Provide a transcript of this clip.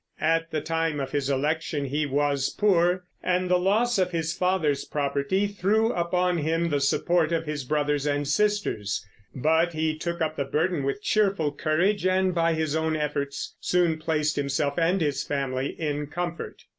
At the time of his election he was poor, and the loss of his father's property threw upon him the support of his brothers and sisters; but he took up the burden with cheerful courage, and by his own efforts soon placed himself and his family in comfort.